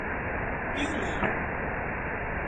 Pio Nono